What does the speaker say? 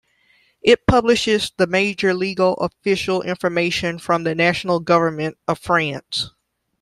It publishes the major legal official information from the national Government of France.